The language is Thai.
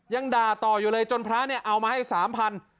ยังด่าต่ออยู่เลยจนพระเนี่ยเอามาให้๓๐๐บาท